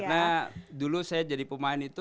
karena dulu saya jadi pemain itu